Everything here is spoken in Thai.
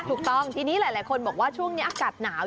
ถูกต้องทีนี้หลายคนบอกว่าช่วงนี้อากาศหนาว